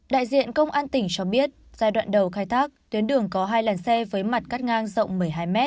đại diện công an tỉnh cho biết giai đoạn đầu khai thác tuyến đường có hai làn xe với mặt cắt ngang rộng một mươi hai m